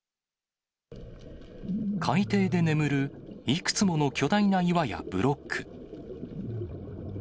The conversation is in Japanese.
海底で眠る、いくつもの巨大な岩やブロック。